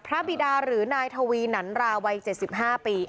บิดาหรือนายทวีหนันราวัย๗๕ปี